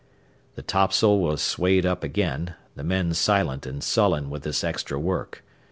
The topsail was swayed up again, the men silent and sullen with this extra work.